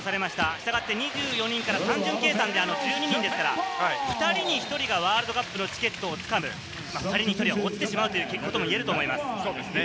従って２４人から単純計算で１２人ですから、２人に１人がワールドカップのチケットをつかむ、２人に１人は落ちてしまうとも言えると思います。